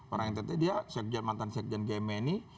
orang yang tetap dia sekjen mantan sekjen gemeni